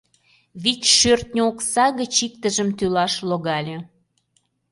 Вич шӧртньӧ окса гыч иктыжым тӱлаш логале.